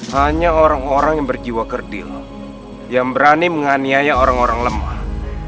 hanya orang orang yang berjiwa kerdil yang berani menganiaya orang orang lemah